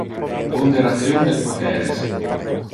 Ponderation del poteres.